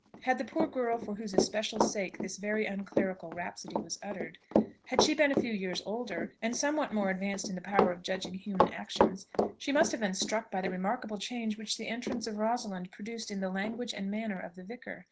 Had the poor girl for whose especial sake this very unclerical rhapsody was uttered had she been a few years older, and somewhat more advanced in the power of judging human actions, she must have been struck by the remarkable change which the entrance of Rosalind produced in the language and manner of the vicar.